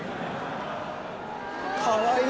かわいい。